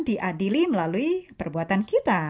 diadili melalui perbuatan kita